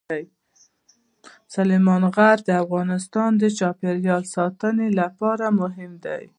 سلیمان غر د افغانستان د چاپیریال ساتنې لپاره مهم دي.